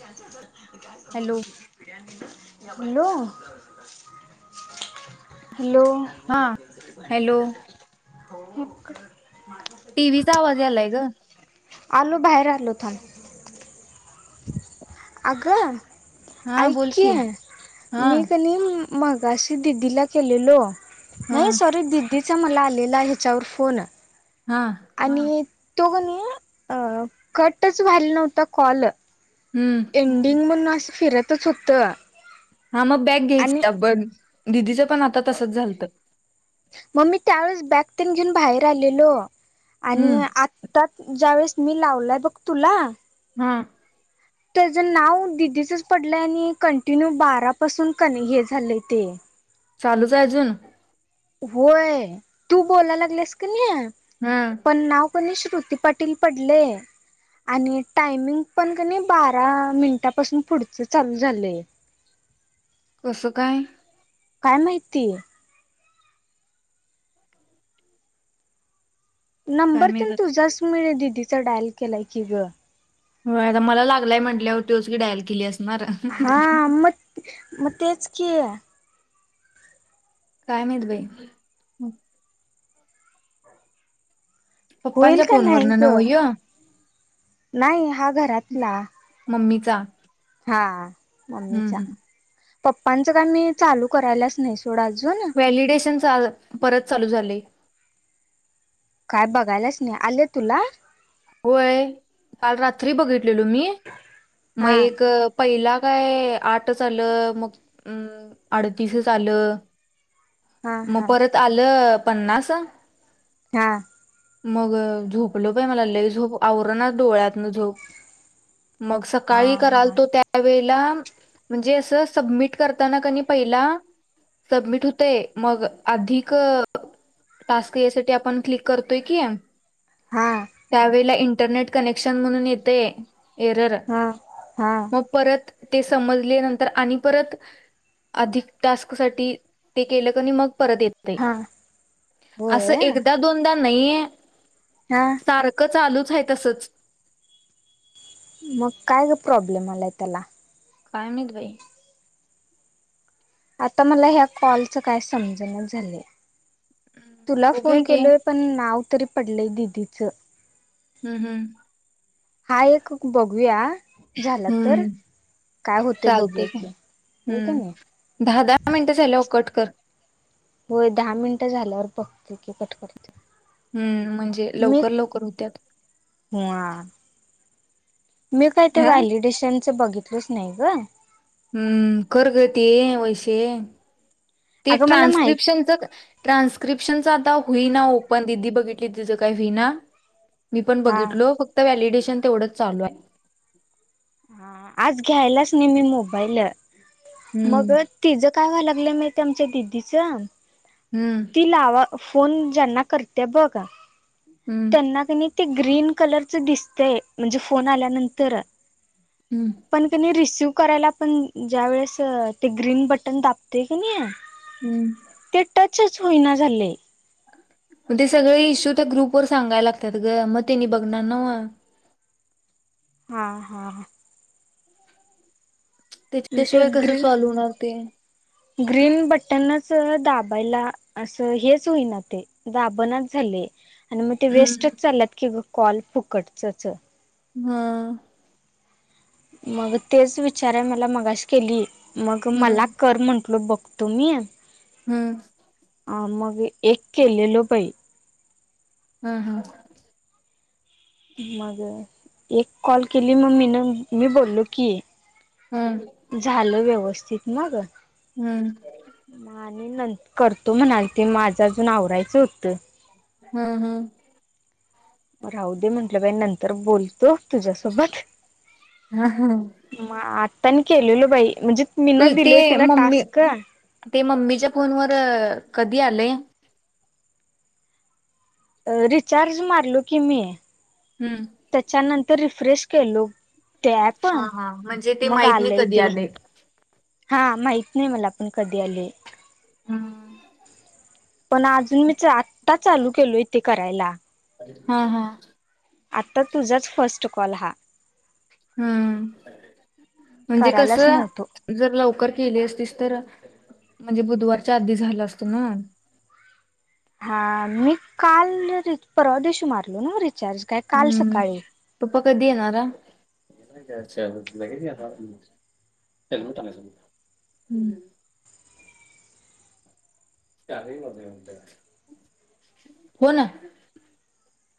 तिच्यावर काय समज हॅलो होती. Hello hello. [inaudible] हा हॅलो टी व्हीचा आवाज यालाय ग. आलो बाहेर आलो थांब. अगं हा ऐक बोल की हा मी कणी मगाशी दिदीला केलेलो हा नाही सॉरी दिदी. त्याचा मला आलेला ह्याच्यावर फोन. हा. आणि तो की न कटच वला नव्हतं कॉल. हम्म. एंडिंग म्हणून असं फिरतच होतं. हा मग बॅग घ्यायच आणि पण दिदीचं पण आता तसंच झालतं. मम्मी त्यावेळेस बॅगन घेऊन बाहेर आलेलो आणि हम्म आ त्यात ज्या वेळेस मी लावलाय बघ तुला. हम. त्याचं नाव दिदीचच पडलंय आणि कंटिन्यू बारापसून क हे झालंय ते. चालूच आहे अजून. होय तू बोलायला लागलीस का नाही. हा. पण नाव कणी श्रुती पाटील पडलय. आणि टायमिंग पण का नाही बारा मिनिटापासून पुढच चालू झालंय. [inaudible] कसं काय. काय माहिती. [inaudible] काय नंबर माहित तर आता तुझाच मिळेल दिदीचा डायल केलाय की ग. हो मला लागलाय म्हटल्यावर तोच की डायल केल्यास. हा आ मत म तेच कि काय माहित बाई. होईल पप्पांच्या का नाइ फोनवरन नव्ह गं? ह्यो नाइ हा घरातला मम्मीचा. हा हम्म मम्मीच्या. हम्म पप्पांच का मी चालू करायलाच नाही सोड अजून. व्हॅलिडेशन आज परत चालू झालय. काय बघायलाच नाइ आले तुला? व्हय काल रात्री बघितलेलो मी म हा एक पहिला काय आठ आलं मग अं अडतीस आलं. हा म हा परत आलं पन्नास. हा. मग झोपलो काय मला लय झोप आवरणा डोळ्यातनं झोप म हा सकाळी कराल तो त्या वेळेला म्हणजे असं सबमिट करताना कनी पहिला सबमिट हुतय मग अधिक टास्क यासाठी आपण क्लिक करतोय की हा. त्यावेळेला इंटरनेट कनेक्शन म्हणून येते एरर हा म परत ते समजले नंतर आणि परत अधिक टास्क साठी ते केलं कनी मग परत येत ते हा होय आसं एकदा दोनदा नइ हा. क चालूच हाय तसंच म काय गं प्रॉब्लेम आलाय तेला? काय माहित बाई. आता मला ह्या कॉलच काय समजणा झाले. तुला बघूया फोन की केलोय पण नाव तरी पडलंय दिदीचं. हम्म हम्. हा एक बघूया झाला तर. हम्म काय होते बघूया की होय कनी. मिनटं झाल्यावर कट कर. होय दहा मिनिटं झाल्यावर बघते कि कट करते. हम्म म्हणजे लवकर लवकर हुत्यात. वा मी काय ते हा व्हॅलिडेशनच बघितलंच नाइ गं. हम्म कर गं ते वैशे ते अगं मला माहित ट्रान्सस्क्रीप्शनच ट्रान्स्क्रिप्शनच आता होई ना ओपन दिदी बघितली तिचं काय व्हिना. मी पण हा बघितलो फक्त व्हॅलिडेशन तेवढंच चालूय. हा आज घ्यायलाच नाइ मी मोबाईल हम्म मग तिचं काय व्हाय लागलंय माहितीय आमच्या दिदीच हम्म. ती लावा फोन ज्यांना करत्या बघ हम्म त्यांना कनी ते ग्रीन कलरच दिसतय म्हणजे फोन आल्यानंतर हम्म. पण कनी रिसिव करायला पण ज्या वेळेस ते ग्रीन बटन दाबतोय कनी हम्म. टच्च हुईना झालय. म ते सगळे इश्यू त्या ग्रुप वर सांगाय लागत्यात गं म तेनी बघणार नवं. हा हा. ते त्याच्याशिवाय कसं ग्रीन सॉल होणार ते ग्रीन बटनच दाबायला असं हेच होईना ते. दाबणच झाले आणि मग ते हम्म वेस्टच चाललात की कॉल फुकटचच. हा मग तेच विचाराय मला मगाशी केली मग मला हं, कर म्हंटल बघ. तुम्ही हं अ मग एक केलेलो बाई. हं, हा मग एक कॉल केली मग मम्मीनं. मी बोललो की हं, हं, झालं व्यवस्थित ना, ग. हं आणि न करतो म्हणाल ते माझं अजून आवरायचं होतं. हा, हा, हा, राहू दे म्हंटलं बाई नंतर बोलतो तुझ्यासोबत. हं, हं. मग आतानी केलेल बाई म्हणजे मी ना तू ते दिलोय तिला मम्मी टास्क. ते मम्मीच्या फोनवर कधी आलय. रिचार्ज मारलो की मी हं त्याच्यानंतर रिफ्रेश केलो. टॅप हा हा म्हणजे ते माहित नाही मंगाले कधी ते आलंय हा माहत नाही मला आपण कधी आले. हम् पण अजून मी आत्ता चालू केलो इथे करायला. हा हा आत्ता तुझाच फस्ट कॉल हा. हं, म्हणजे करायलाच कसं. नव्हतो जर लवकर केली असतीस तर म्हणजे बुधवारच्या आधी झालं असत ना. हा मी काल परवादेशी, मारलो ना रिचार्ज काय काल हम्म सकाळी पप्पा कधी येणार, हा. त्याला नाही सांगायचं, हं. हो ना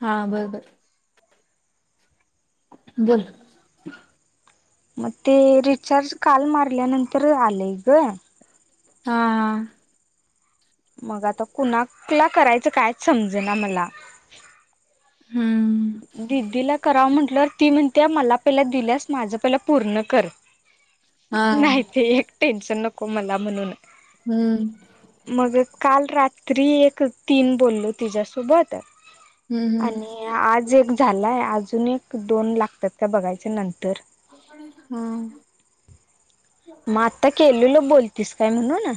हा बंरबंर बर मग ते रिचार्ज काल मारल्यानंतर आलंय ग. हा मग आता कुणाला करायचं कायच समजे ना मला. हम्म दिदीला कराव म्हंटलवर ती म्हण. त्या मला पहिल्या दिल्यास माझं पहिलं पूर्ण कर हा नाही ते एक. टेन्शन नको मला म्हणून हम्म मग काल रात्री एक तीन बोललो तिच्या्यासोबत हम्म आणि आज एक झालाय अजून एक दोन लागतात त्या बघायच्या नंतर. हम मग आत्ता केलेल बोलतीस काय म्हणून ना.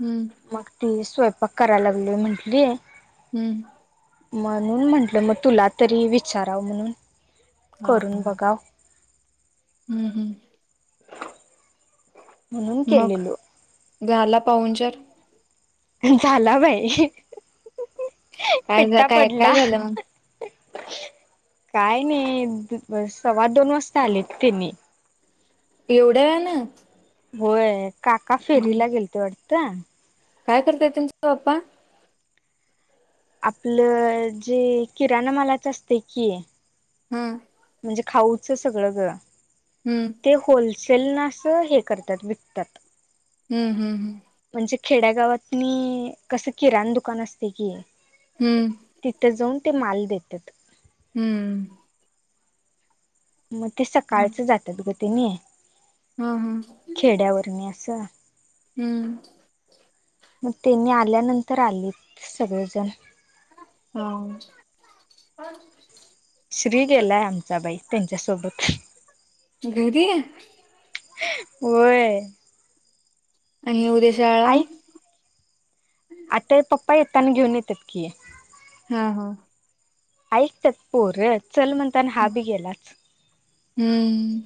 हम्म मग ती स्वयंपाक करायला लागली म्हंटली. हम्म म्हणून म्हंटलं मग तुला तरी विचाराव म्हणून करून बघा. हम् हम्म म्हणून मग केलेलो झाला पाहन चार झाला बाई काय झा- पिट्टा काय काय पडला झालं मग काय नाही स्वा दोन वाजता आलेत त्यांनी एवढ्या वेळानं आहे ना होय काका फेरीला गेलते वाटतं काय करतय तुमचं पप्पा आपलं जे किराणा मलाच असते की हम्म म्हणजे खाऊच सगळं घरं हम्म ते होलसेल ना असं हे करतात विकतात हम्म हम् हम् म्हणजे खेड्यागावातनी कसं किराण दुकान असते की हम्म तिथं जाऊन ते माल देतात हम्म मग ते हा सकाळचं जातात ग ते नाही हा हा खेड्यावर म असा हम्म मग त्यांनी आल्यानंतर आली सगळेजण हा श्री गेलाय आमचा बाई त्यांच्यासोबत. घरी आहे. होय. आणि उद्या शाळा? ऐक आता पप्पा येताना घेऊन येतात की. हा हा ऐकतात पोर चल म्हणता आणि हा बी गेलाच हम्म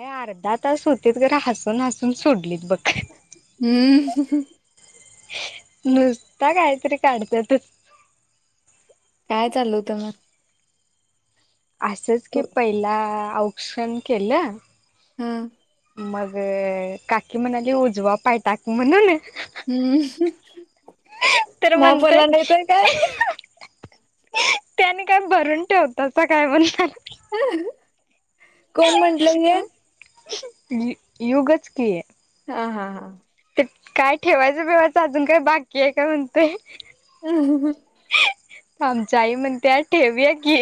अ अर्धा तास होते गरा हसून हसून सोडलीत बघ हम्म नुसता काहीतरी काढतात काय चाललं होतं मग असंच की तू पहिला औक्षण केलं. हम्म. मग काकी म्हणाली उजवा पाय टाक म्हणून. हम्म. तर म्हणतंय मापला नाही तर काय त्याने काय भरून ठेवतासा काय [unintelligible] कोण म्हंटलं हे? यू युगच की. हां हां हां. त्यात काय ठेवायचं बिवायचं अजून काय बाकी आहे काय म्हणतंय. [unintelligible] आमची आई म्हणत्या ठेवूया की.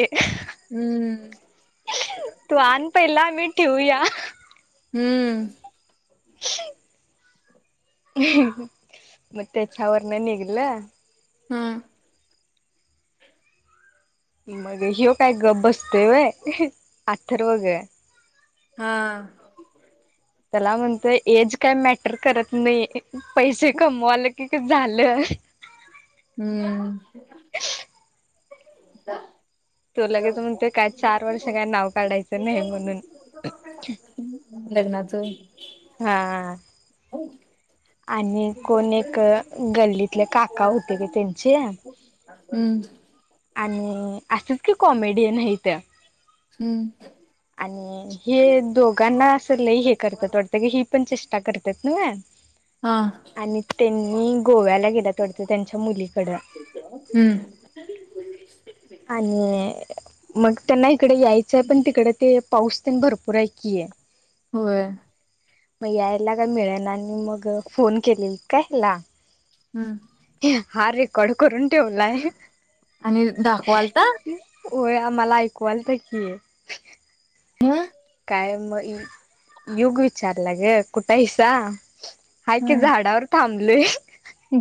तू आन पहिला मग ठेऊया. हम्म. मग त्याच्यावरणं निघलं. हम्म. मग ह्यो काय गप्प बसतोय होय अथर्व गं. हां. त्याला म्हणतोय एज काय मॅटर करत नाही पैसे कमवाले की झालं. हम्म. तो लगेच म्हणतोय काय चार वर्ष काय नाव काढायचं नाही म्हणून. [unintelligible] लग्नाचं. हां. आणि कोण एक गल्लीतले काका होते गं त्यांचे. हम्म. आणि असंच की कॉमेडियन आहेत. हम्म. आणि हे दोघांना असं लई हे करतात वाटतं ही पण चेष्टा करतात नव्हं. हां. त्यांनी गोव्याला गेल्यात वाटतं त्यांच्या मुलीकडं. हम्म. आणि मग त्यांना इकडं यायचंय पण तिकडे ते पाऊस तेन भरपूर आहे की होय. मग यायला का मिळेना आणि मग फोन केलेलीत काय हिला हम्म. हा रेकॉर्ड करून ठेवलाय. आणि दाखवलता य आम्हाला ऐकवायला तर की हा काय मग युग विचारला गे कुठाहीसा हा काय हं झाडावर थांबलय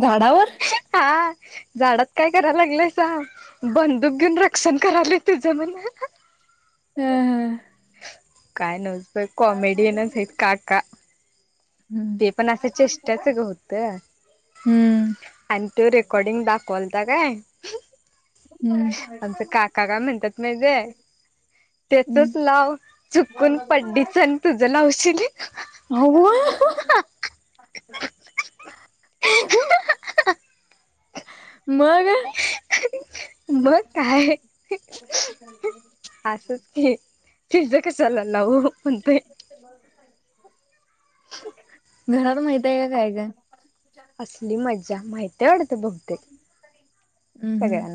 झाडावर? हां. झाडात काय कराय लागलायसा? बंदूक घेऊन रक्षण कारलोय तुझं म्हणं. हं हं. काय नव्हं बाई कॉमेडियनच आहेत काका. हम्म ते पण असं चेष्टाच गं होतं. आणि तो रेकॉर्डिंग दाखवलता काय हम्म आमचं काका का म्हणतात माजे त्याचच हम्म लाव चुकून पड्डीच आणि तुझ लाव शनी हो मग मग काय असंच की शिझ कसाला नावऊ म्हते घरात माहित आहे का काय का असली मज्जा माहिती तेवढं बघ हम्म हम्म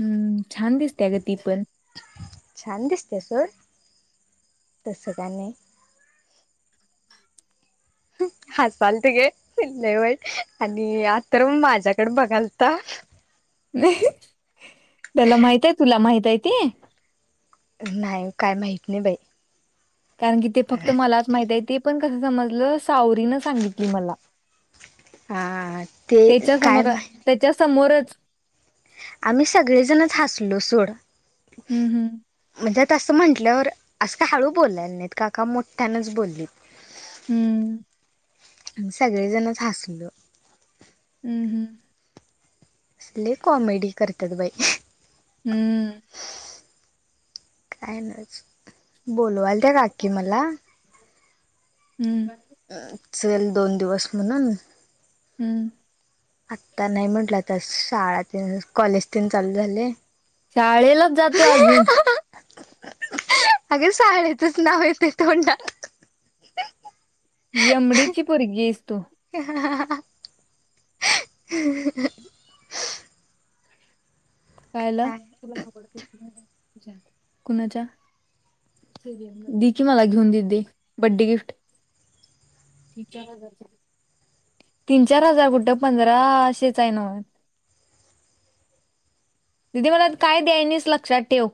हम्म छान दिसते अ ग ती पण छान दिसते सर तसं का नाही हसाल तिघे कठवट आणि आ तर माझ्याकडे बघाल तर नाही त्याला माहित आहे तुला माहित आहे ते नाही काय माहीत नाही बाई कारण कि ते फक्त मलाच माहित आहे ते पण कसं समजलं सावरीनं सांगितली मला हा ते त्याच्या काय समोर मा त्याच्या समोरच आम्ही सगळे जणच हसलो सोड हूं हूं! म्हणजे तसं म्हटल्यावर, असं का हळू बोलले नाहीत काका मोठ्यानच बोललेत. हम्म सगळेजणच हसलो. हम्म हम्म लय कॉमेडी करतात बाई. हम्म. काय नाही अजून, बोलवाल त्या हम्म काकी मला. हम्म चल दोन दिवस म्हणून हम्म आता नाही म्हटलं आता शाळात कॉलेज तेन चालू झाले शाळेलाच जा तू अजून अगे शाळेचच नाव येतय तोंडात एमडीची पोरगी आहेस तू ह [unintelligible] कायला काय तुला कुणाच्या देकी मला घेऊन दीदी बड्डे गिफ्ट चार हजार तीन चार हजार कुठं पंधराशेचा आहे ना म दिदी मला काय द्यायनीश लक्षात ठेव